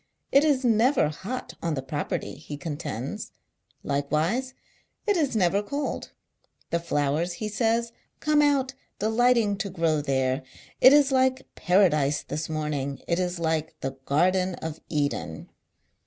It is never hot on. the Property, he contends. Likewise it is never cold. The flowers, he says, come out, delighting to grow there ; it is like Paradise this morning ; it is like the Garden of Eden.